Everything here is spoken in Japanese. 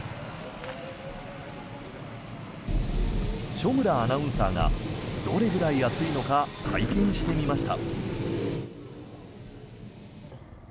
所村アナウンサーがどれくらい暑いのか体験してみました。